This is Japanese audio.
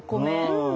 うん。